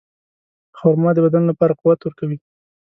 خرما د بدن لپاره قوت ورکوي.